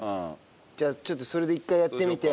じゃあちょっとそれで一回やってみて。